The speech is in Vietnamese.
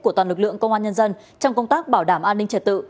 của toàn lực lượng công an nhân dân trong công tác bảo đảm an ninh trật tự